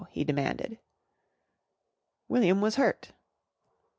he demanded. William was hurt.